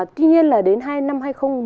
tuy nhiên là đến năm hai nghìn một mươi một